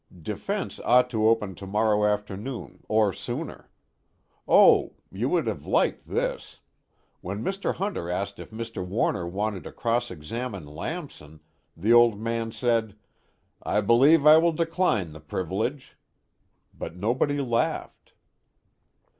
Defense ought to open tomorrow afternoon, or sooner. Oh you would have liked this. When Mr. Hunter asked if Mr. Warner wanted to cross examine Lamson, the Old Man said: 'I believe I will decline the privilege.' But nobody laughed."